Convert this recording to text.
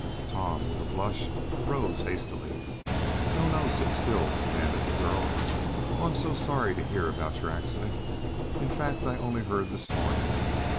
Tom, with a blush, arose hastily. "No! no! Sit still!" commanded the girl. "Oh! I'm so sorry to hear about your accident! In fact, I only heard this morning.